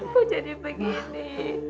gua jadi begini